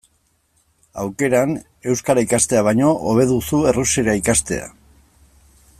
Aukeran, euskara ikastea baino, hobe duzu errusiera ikastea.